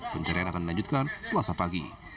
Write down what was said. pencarian akan dilanjutkan selasa pagi